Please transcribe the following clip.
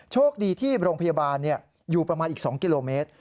โชคดีที่โรงพยาบาลอยู่ประมาณอีก๒กิโลเมตร